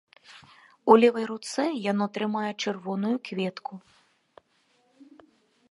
У левай руцэ яно трымае чырвоную кветку.